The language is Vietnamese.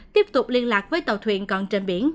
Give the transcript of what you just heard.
tiếp tục liên lạc với tàu thuyền còn trên biển